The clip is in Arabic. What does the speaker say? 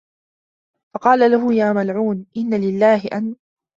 فَقَالَ لَهُ يَا مَلْعُونُ إنَّ لِلَّهِ أَنْ